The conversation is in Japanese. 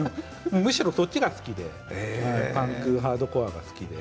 むしろそっちが好きでパンクハードコアが。